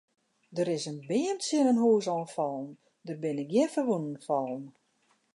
Der is in beam tsjin in hús oan fallen, der binne gjin ferwûnen fallen.